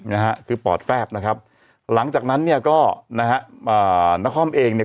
นะฮะคือปอดแฟบนะครับหลังจากนั้นเนี่ยก็นะฮะอ่านครเองเนี่ย